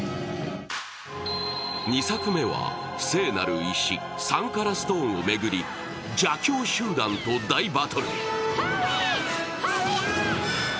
２作目は、聖なる石、サンカラストーンを巡り邪教集団と大バトル。